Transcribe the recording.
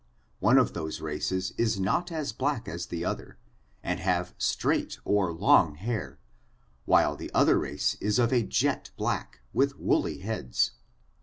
One of those races is not as black as the other, and have straight or long hair, while the other race is of a jet black, with woolly heads.